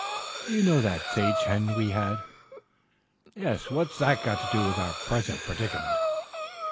"You know that sage hen we had?" "Yes, what's that got to do with our present predicament?"